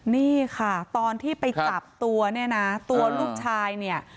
นี่ค่ะตอนที่ไปจับตัวเนี่ยนะตัวลูกชายเนี่ย